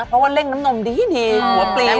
เพราะว่าเร่งน้ำนมดีหัวปลี